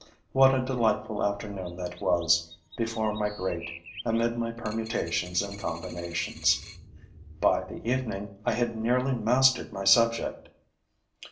What a delightful afternoon that was, before my grate, amid my permutations and combinations! By the evening, I had nearly mastered my subject.